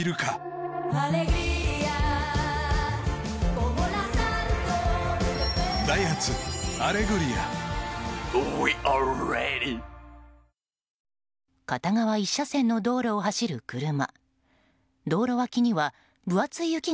糖質ゼロ片側１車線の道路を走る車。